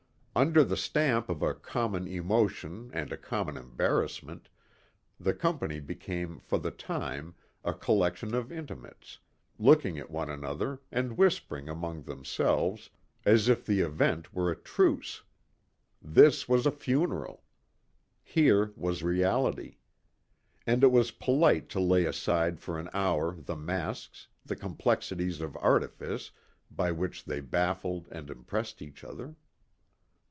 Under the stamp of a common emotion and a common embarrassment, the company became for the time a collection of intimates, looking at one another and whispering among themselves as if the event were a truce. This was a funeral. Here was reality. And it was polite to lay aside for an hour the masks, the complexities of artifice by which they baffled and impressed each other.